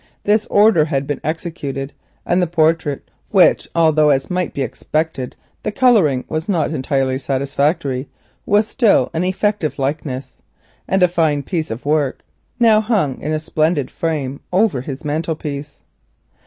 This order had been executed, and the portrait, which although the colouring was not entirely satisfactory was still an effective likeness and a fine piece of work, now hung in a splendid frame over his mantelpiece.